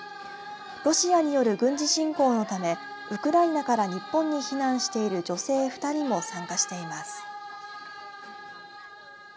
ロシアによる軍事侵攻のためウクライナから日本に避難している女性２人も参加しています。